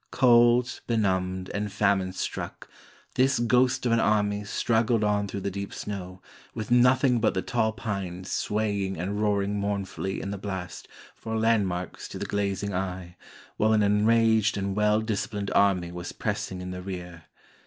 Cold, benumbed, and famine struck, this ghost of an army struggled on through the deep snow, with nothing but the tall pines swaying and roaring mournfully in the blast for landmarks to the glazing eye, while an en raged and well disciplined army was pressing in the rear.